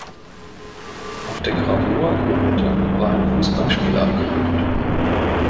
Auf der Gravur in der Mitte war ein Fußballspieler abgebildet.